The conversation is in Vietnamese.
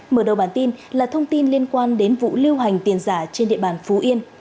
mở đầu bản tin là thông tin liên quan đến vụ lưu hành tiền giả trên địa bàn phú yên